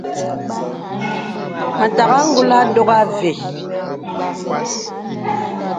Mə tàgā ngùlà ndɔ̄gà və.